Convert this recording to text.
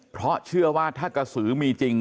เพราะเชื่อว่าถ้ากระสือมีจริง